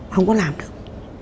không có làm được